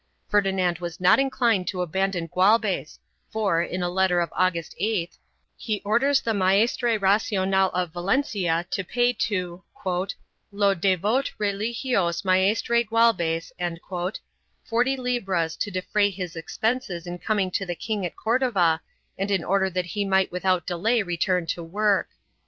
2 Ferdinand was not inclined to abandon Gualbes for, in a letter of August 8th, he orders the Maestre Racional of Valencia to pay to " lo devot religios maestre Gualbes" forty libras to defray his expenses in coming to the king at Cor dova and in order that he might without delay return to work.